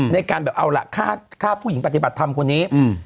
ในการแบบเอาล่ะฆ่าผู้หญิงปฏิบัติธรรมคนนี้